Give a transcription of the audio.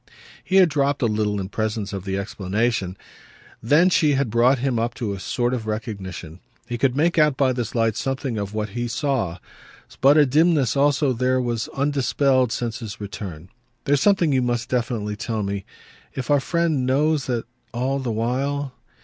He had dropped a little in presence of the explanation; then she had brought him up to a sort of recognition. He could make out by this light something of what he saw, but a dimness also there was, undispelled since his return. "There's something you must definitely tell me. If our friend knows that all the while